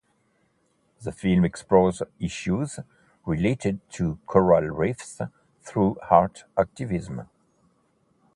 The film explores issues related to coral reefs through art activism.